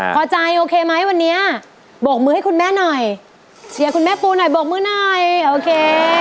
พอใจโอเคไหมวันนี้โบกมือให้คุณแม่หน่อยเสียคุณแม่ปูหน่อยโบกมือหน่อยโอเค